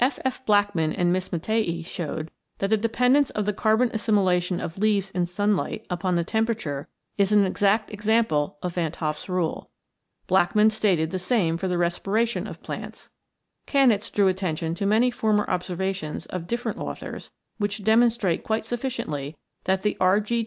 F. F. Blackman and Miss Matthaei showed that the dependence of the carbon assimilation of leaves in sunlight upon the tem perature is an exact example of Van 't Hoff's Rule. Blackman stated the same for the respiration of plants. Kanitz drew attention to many former observations of different authors which demon strate quite sufficiently that the R.